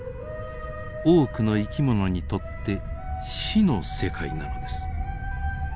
多くの生き物にとって死の世界なのです。